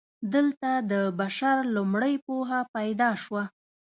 دلته د بشر لومړنۍ پوهه پیدا شوه.